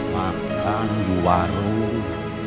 makan di warung